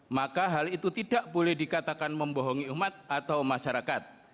maka hal itu tidak boleh dikatakan membohongi umat atau masyarakat